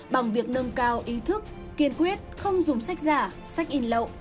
bằng việc nâng cao ý thức kiên quyết không dùng sách giả sách in lậu